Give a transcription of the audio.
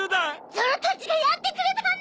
ゾロたちがやってくれたんだ。